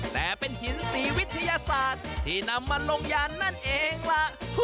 แต่เป็นหินสีวิทยาศาสตร์ที่นำมาลงยานนั่นเองล่ะ